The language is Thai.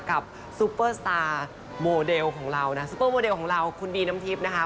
ซุปเปอร์สตาร์โมเดลของเรานะซุปเปอร์โมเดลของเราคุณบีน้ำทิพย์นะคะ